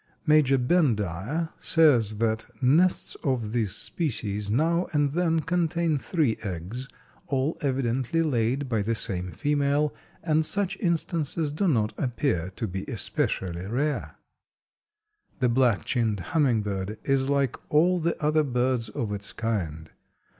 Major Bendire says that "nests of this species now and then contain three eggs, all evidently laid by the same female, and such instances do not appear to be especially rare." The Black chinned Hummingbird is like all the other birds of its kind.